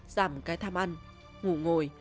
giảm cái tham ăn ngủ ngồi